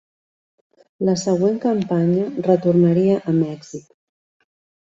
La següent campanya retornaria a Mèxic.